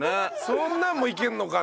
そんなのもいけるのか。